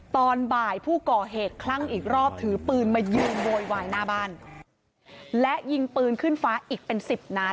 ตอนบ่ายผู้ก่อเหตุคลั่งอีกรอบถือปืนมายืนโวยวายหน้าบ้านและยิงปืนขึ้นฟ้าอีกเป็นสิบนัด